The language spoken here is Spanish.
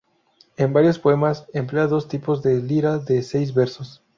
En varios poemas emplea dos tipos de lira de seis versos.